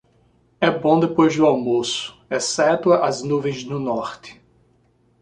É bom depois do almoço, exceto as nuvens no norte.